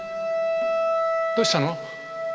どうしたの？